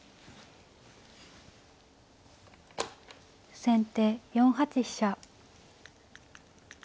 先手４八飛車。